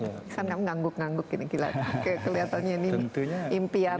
tapi sekarang ini kan mengangguk angguk gila kelihatannya ini impian